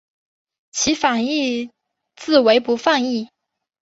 其反义字为不放逸。